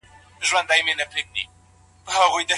د مسلمان هر مشروع عمل بايد په کوم نيت ترسره سي؟